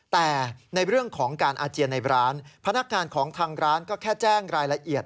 แต่ในเรื่องของการอาเจียนในร้านพนักงานของทางร้านก็แค่แจ้งรายละเอียด